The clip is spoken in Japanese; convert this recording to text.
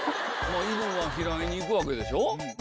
犬が拾いに行くわけでしょ？